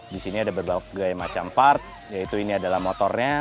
di sini ada berbagai macam part yaitu ini adalah motornya